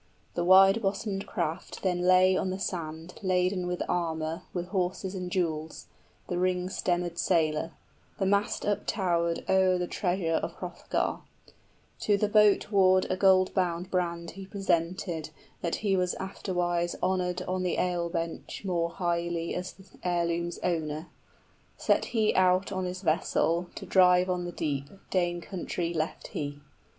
The wide bosomed craft then Lay on the sand, laden with armor, 10 With horses and jewels, the ring stemmèd sailer: The mast uptowered o'er the treasure of Hrothgar. {Beowulf gives the guard a handsome sword.} To the boat ward a gold bound brand he presented, That he was afterwards honored on the ale bench more highly As the heirloom's owner. Set he out on his vessel, 15 To drive on the deep, Dane country left he.